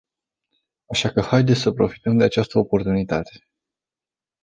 Așa că haideți să profităm de această oportunitate.